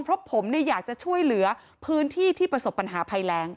เพราะผมอยากจะช่วยเหลือพื้นที่ที่ประสบปัญหาภัยแรง